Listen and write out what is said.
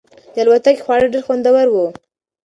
د الوتکې خواړه ډېر خوندور وو.